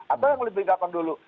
atau yang lebih gampang dulu